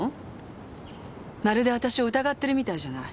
まるで私を疑ってるみたいじゃない。